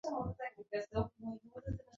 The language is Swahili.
Niko pekee yangu na sijijui